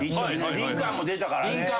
『リンカーン』も出てたからね。